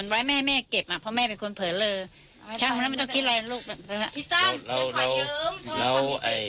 เรียบร้อยแล้วลูกเรียบร้อยแล้วไม่มีอะไรแล้ว